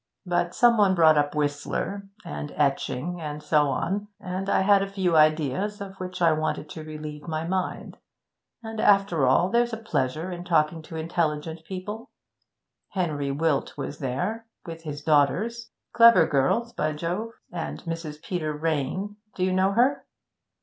But some one brought up Whistler, and etching, and so on, and I had a few ideas of which I wanted to relieve my mind. And, after all, there's a pleasure in talking to intelligent people. Henry Wilt was there with his daughters. Clever girls, by Jove! And Mrs. Peter Rayne do you know her?'